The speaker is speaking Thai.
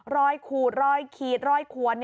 ขูดรอยขีดรอยขวน